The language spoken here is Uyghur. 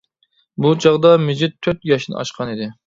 بۇ چاغدا مىجىت تۆت ياشتىن ئاشقان ئىدى.